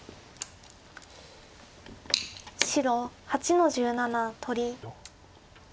白８の十七取り。